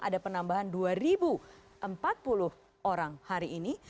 ada penambahan dua empat puluh orang hari ini